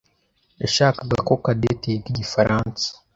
yashakaga ko Cadette yiga Igifaransa.